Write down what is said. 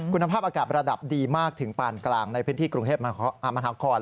คุณภาพอากาศระดับดีมากถึงปานกลางในพื้นที่กรุงเทพมหานคร